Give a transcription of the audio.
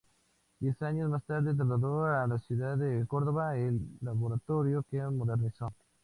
Diez años más tarde trasladó a la ciudad de Córdoba el laboratorio, que modernizó.